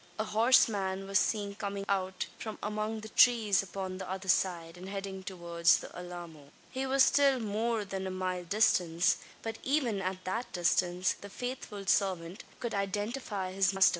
A horseman was seen coming out from among the trees upon the other side, and heading towards the Alamo. He was still more than a mile distant; but, even at that distance, the faithful servant could identify his master.